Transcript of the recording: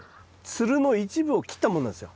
つるの一部を切ったものなんですよ。